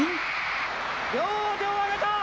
両手を上げた！